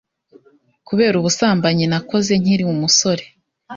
Kubera ubusambanyi nakoze nkiri umusore